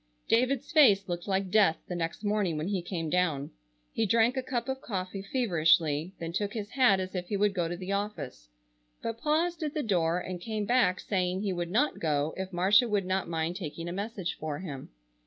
David's face looked like death the next morning when he came down. He drank a cup of coffee feverishly, then took his hat as if he would go to the office, but paused at the door and came back saying he would not go if Marcia would not mind taking a message for him.